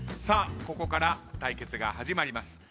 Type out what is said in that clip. さあここから対決が始まります。